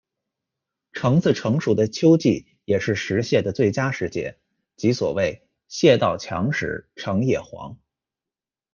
橙子成熟的秋季也正是食蟹的最佳时节，即所谓“蟹到强时橙也黄”。